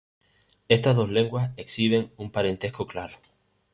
Estas dos lenguas exhiben un parentesco claro.